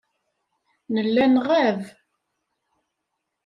Nella nɣab.